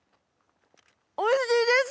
おいしいです！